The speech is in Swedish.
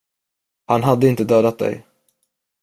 Han hade inte dödat dig.